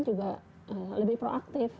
juga lebih proaktif